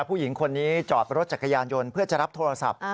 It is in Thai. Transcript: ผู้หญิงคนนี้จอดรถจักรยานยนต์เพื่อจะรับโทรศัพท์